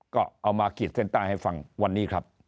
ก็เอามาขีดเส้นใต้ให้ฟังวันนี้ครับ